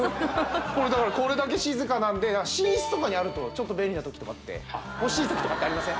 これだからこれだけ静かなんで寝室とかにあるとちょっと便利な時とかって欲しい時とかってありません？